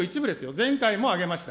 前回も挙げました。